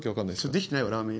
できてないよラーメン屋。